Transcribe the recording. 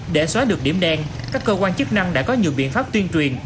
để xóa được điểm đen các cơ quan chức năng đã có nhiều biện pháp tuyên truyền